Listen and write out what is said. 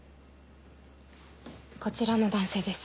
こちらの男性です